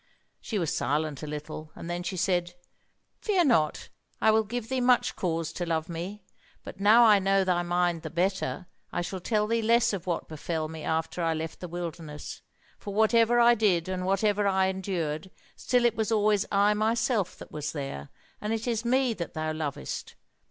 She was silent a little, and then she said: "Fear not, I will give thee much cause to love me. But now I know thy mind the better, I shall tell thee less of what befell me after I left the wilderness; for whatever I did and whatever I endured, still it was always I myself that was there, and it is me that thou lovest.